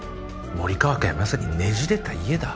森川家はまさに『ねじれた家』だ。